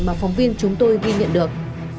mà phóng viên chúng tôi ghi nhận được